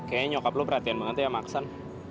kayaknya nyokap lo perhatian banget ya maxon